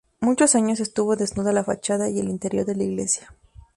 Muchos años estuvo desnuda la fachada y el interior de la iglesia.